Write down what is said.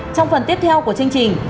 trong phần tiếp theo của chương trình